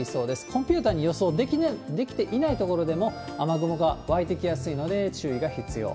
コンピューターで予想できていない所でも、雨雲が湧いてきやすいので、注意が必要。